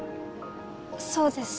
そうです